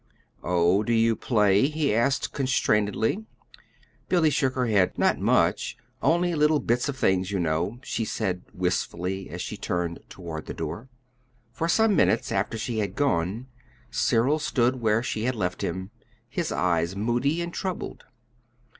"Oh, do you play?" he asked constrainedly. Billy shook her head. "Not much. Only little bits of things, you know," she said wistfully, as she turned toward the door. For some minutes after she had gone, Cyril stood where she had left him, his eyes moody and troubled.